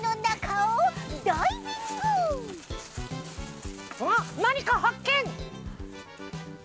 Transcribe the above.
おっなにかはっけん！